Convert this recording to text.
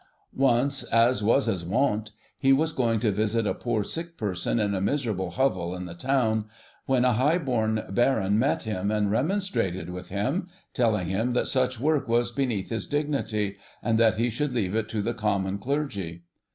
Once, as was his wont, he was going to visit a poor sick person in a miserable hovel in the town, when a high born Baron met him, and remonstrated with him, telling him that such work was beneath his dignity, and that he should leave it to the common clergy.